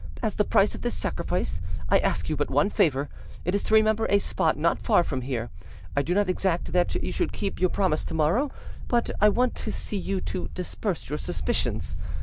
As the price of this sacrifice, I ask you but one favour, it is to remember a spot not far from here: I do not exact that you should keep your promise to morrow; but I want to see you to disperse your suspicions.